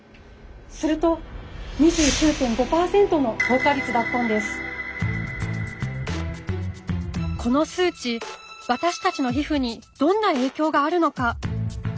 するとこの数値私たちの皮膚にどんな影響があるのか？